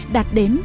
đạt đến những